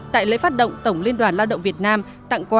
tại lễ phát động tổng liên đoàn lao động việt nam tặng quà